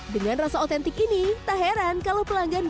dengan rasa otentik ini tak heran kalau pelanggan